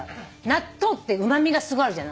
納豆ってうま味がすごいあるじゃない。